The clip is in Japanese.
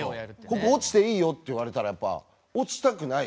ここ落ちていいよって言われたら、やっぱ落ちたくない。